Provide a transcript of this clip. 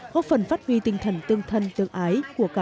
góp phần phát huy tinh thần tương thân tương ái